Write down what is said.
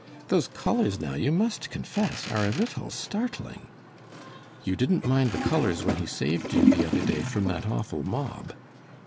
Those colors now you must confess are a little startling." "You didn't mind the colors when he saved you the other day from that awful mob!"